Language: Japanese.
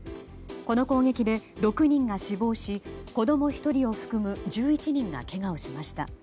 この攻撃で６人が死亡し子供１人を含む１１人がけがをしました。